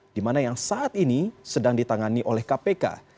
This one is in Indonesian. di mana yang saat ini sedang ditangani oleh kpk